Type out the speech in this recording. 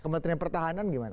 kementerian pertahanan gimana